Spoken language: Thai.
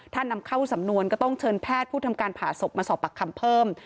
ถ้านำเข้าสำนวนก็ต้องเชิญแพทย์ผู้ทำการผ่าศพมาสอบปากคำเพิ่ม